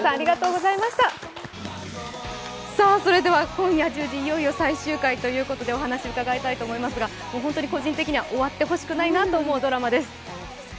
今夜１０時、いよいよ最終回ということでお話を伺いたいと思いますが、本当に個人的には終わってほしくないなと思うドラマです。